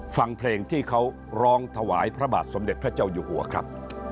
ฟังเพลงที่เขาร้องถวายพระบาทสมเด็จพระเจ้าอยู่หัวครับ